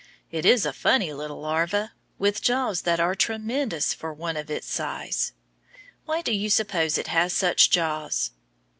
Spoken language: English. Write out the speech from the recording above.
It is a funny little larva, with jaws that are tre men dous for one of its size. Why do you suppose it has such jaws?